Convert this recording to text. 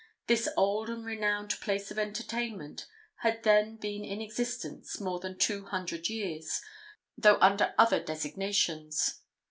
This old and renowned place of entertainment had then been in existence more than two hundred years, though under other designations.